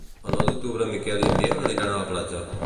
El nou d'octubre en Miquel i en Biel aniran a la platja.